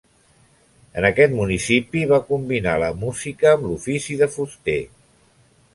En aquest municipi va combinar la música amb l'ofici de fuster.